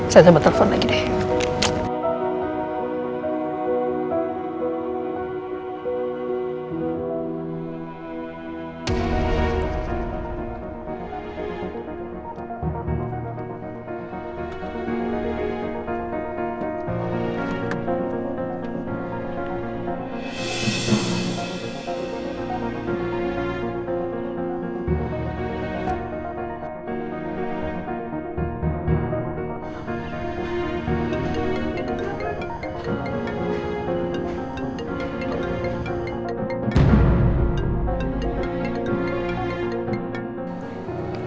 saya coba telepon lagi deh